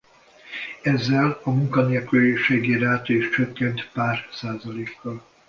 Ezzel a munkanélküliségi ráta is csökkent pár százalékkal.